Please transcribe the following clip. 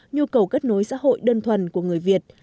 nhu cầu kết nối xã hội đơn thuần của người việt